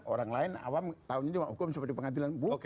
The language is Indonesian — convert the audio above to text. orang lain awam tahunya cuma hukum seperti pengadilan bung